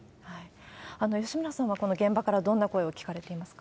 吉村さんは、この現場からどんな声を聞かれていますか？